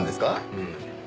うん。